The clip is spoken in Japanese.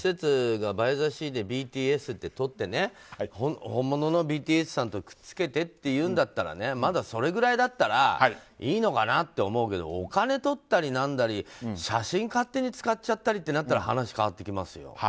施設がＢＹＴＨＥＳＥＡでＢＴＳってとって本物のＢＴＳさんとくっつけてというんだったらまだそれぐらいだったらいいのかなって思うけどお金とったりなんだり写真勝手に使ったりってなったら話が変わってきますよ。